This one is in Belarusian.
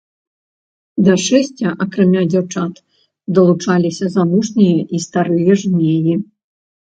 Да шэсця, акрамя дзяўчат, далучаліся замужнія і старыя жнеі.